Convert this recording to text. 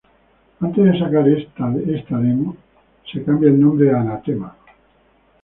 Antes de sacar este demo, se cambian el nombre a Anathema.